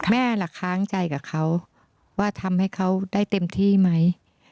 แม่ล่ะค้างใจกับเขาว่าทำให้เขาได้เต็มที่ไหม